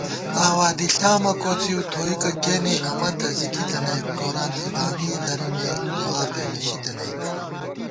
آوادِݪامہ کوڅِؤ تھوئیکہ کېنےامہ تہ زِگی تنَئیک * گوراں دی بانی درِمېک دُعاپېمېشی تنَئیک